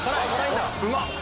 うまっ。